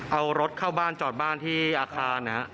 เอารถเข้าบ้านจอดบ้านที่อาคารนะครับ